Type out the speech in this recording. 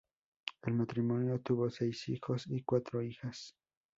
El matrimonio tuvo seis hijos y cuatro hijas.